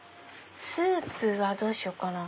スープはどうしようかな。